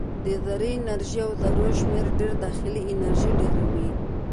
د ذرې انرژي او ذرو شمیر ډېر د داخلي انرژي ډېروي.